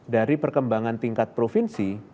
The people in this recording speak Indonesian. dari perkembangan tingkat provinsi